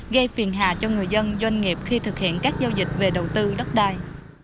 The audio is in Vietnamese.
gây phiền hà cho người dân doanh nghiệp khi thực hiện các giao dịch về đầu tư đất đai